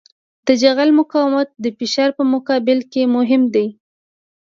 د جغل مقاومت د فشار په مقابل کې مهم دی